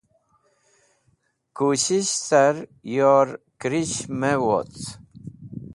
Kushish car yor kẽrish me woc.